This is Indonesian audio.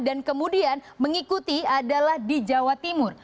dan kemudian mengikuti adalah di jawa timur